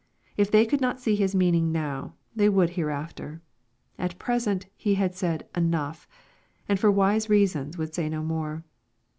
If they could not see His meaning now, they would hereafter. At present He bad said " enough," and for wise reasons would say no more.